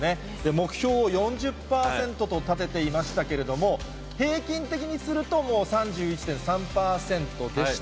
目標を４０％と立てていましたけれども、平均的にすると、もう３１．３％でした。